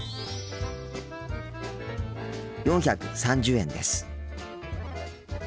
４３０円です。